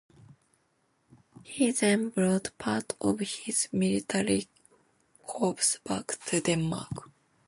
He then brought part of his military corps back to Denmark.